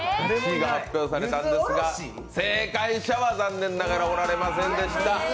１位が発表されたんですが、正解者は残念ながらおられませんでした。